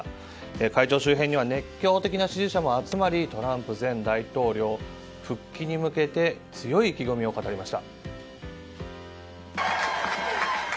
会場周辺には熱狂的な支持者も集まりトランプ前大統領復帰に向けて強い意気込みを語りました。